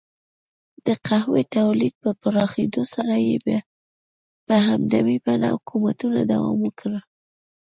د قهوې تولید په پراخېدو سره یې په همدې بڼه حکومتونو دوام وکړ.